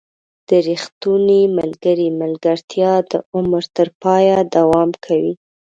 • د ریښتوني ملګري ملګرتیا د عمر تر پایه دوام کوي.